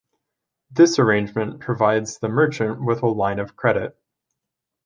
This arrangement provides the merchant with a line of credit.